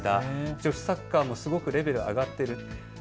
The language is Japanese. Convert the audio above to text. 女子サッカーもすごくレベル上がっている。